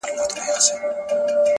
نوي خبرونه د دې کيسې ځای نيسي هر ځای,